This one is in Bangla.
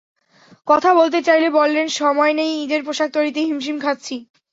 কথা বলতে চাইলে বললেন, সময় নেই, ঈদের পোশাক তৈরিতে হিমশিম খাচ্ছি।